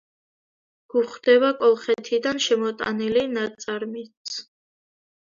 გვხვდება კოლხეთიდან შემოტანილი ნაწარმიც.